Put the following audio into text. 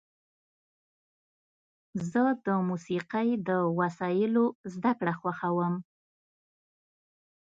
زه د موسیقۍ د وسایلو زدهکړه خوښوم.